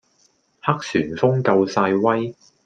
黑旋風夠晒威